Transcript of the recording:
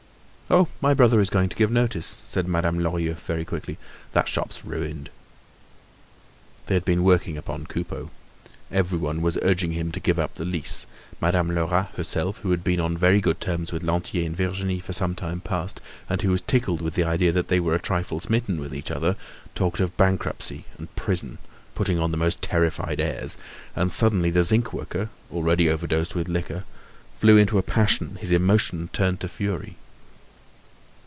"Oh! my brother is going to give notice," said Madame Lorilleux quickly. "That shop's ruined." They had been working upon Coupeau. Everyone was urging him to give up the lease. Madame Lerat herself, who had been on very good terms with Lantier and Virginie for some time past, and who was tickled with the idea that they were a trifle smitten with each other, talked of bankruptcy and prison, putting on the most terrified airs. And suddenly, the zinc worker, already overdosed with liquor, flew into a passion, his emotion turned to fury.